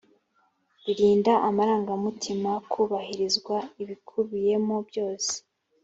birinda amarangamutima hubahirizwa ibikubiyemo byose